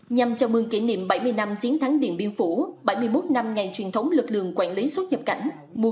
nhằm chào mừng kỷ niệm bảy mươi năm chiến thắng điện biên phủ bảy mươi một năm ngày truyền thống lực lượng quản lý xuất nhập cảnh